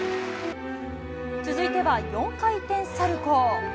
続いては４回転サルコー。